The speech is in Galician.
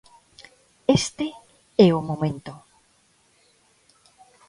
Este é o momento.